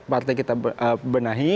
partai kita benahi